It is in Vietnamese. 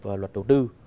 và luật đầu tư